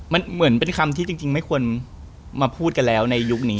มันเหมือนเป็นคำที่จริงไม่ควรมาพูดกันแล้วในยุคนี้